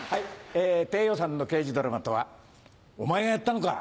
低予算の刑事ドラマとは「お前がやったのか？」